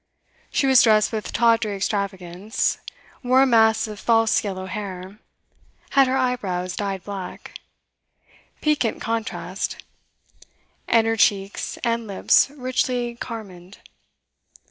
She was dressed with tawdry extravagance, wore a mass of false yellow hair, had her eyebrows dyed black, piquant contrast, and her cheeks and lips richly carmined.